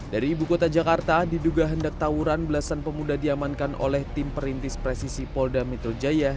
dari ibu kota jakarta diduga hendak tawuran belasan pemuda diamankan oleh tim perintis presisi polda metro jaya